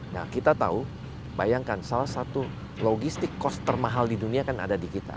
nah kita tahu bayangkan salah satu logistik cost termahal di dunia kan ada di kita